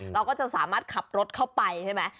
เราก็จะสามารถขับรถเข้าไปใช่ไหม